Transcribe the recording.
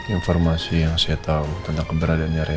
informasi yang saya tahu tentang keberadaannya reza